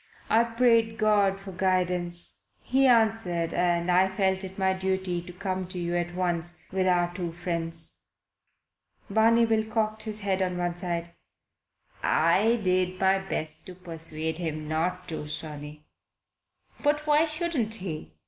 "I prayed God for guidance. He answered, and I felt it my duty to come to you at once, with our two friends." Barney Bill cocked his head on one side. "I did my best to persuade him not to, sonny." "But why shouldn't he?"